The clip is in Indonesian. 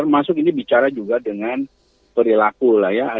termasuk ini bicara juga dengan perilaku lah ya